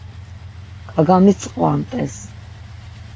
Kagamitzqvant̆es.